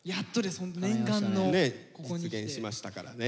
ホント念願の。実現しましたからね。